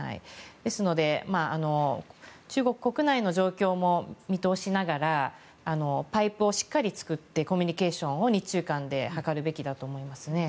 ですので、中国国内の状況も見通しながらパイプをしっかり作ってコミュニケーションを日中間で図るべきだと思いますね。